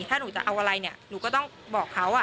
ถ้าหนูจะเอาอะไรเนี่ยหนูก็ต้องบอกเขา